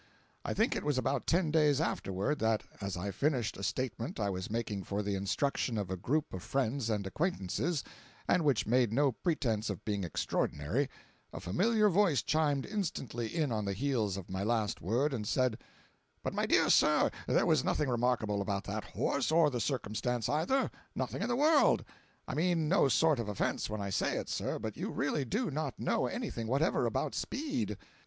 I think it was about ten days afterward that, as I finished a statement I was making for the instruction of a group of friends and acquaintances, and which made no pretence of being extraordinary, a familiar voice chimed instantly in on the heels of my last word, and said: "But, my dear sir, there was nothing remarkable about that horse, or the circumstance either—nothing in the world! I mean no sort of offence when I say it, sir, but you really do not know anything whatever about speed.